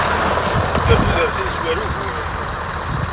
Yedder tudert-nnes war uguren.